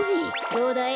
どうだい？